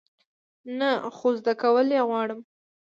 نه، خو زده کول یی غواړم